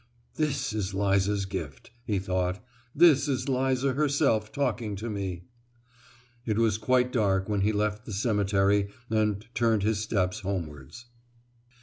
"This is Liza's gift," he thought; "this is Liza herself talking to me!" It was quite dark when he left the cemetery and turned his steps homewards.